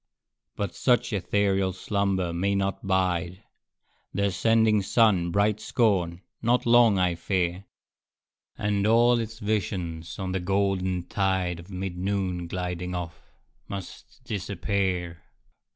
But such ethereal slumber may not bide The ascending sun's bright scorn not long, I fear; And all its visions on the golden tide Of mid noon gliding off, must disappear.